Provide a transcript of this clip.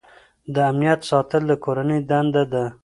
د امنیت ساتل د کورنۍ دنده ده.